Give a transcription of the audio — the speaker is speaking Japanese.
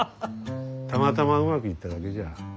たまたまうまくいっただけじゃ。